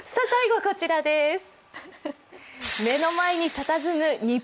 最後はこちらです。